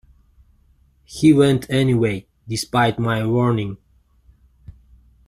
He went anyway, despite my warning.